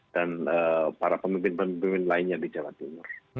para pemimpin pemimpin lainnya di jawa timur